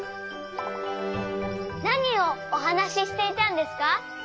なにをおはなししていたんですか？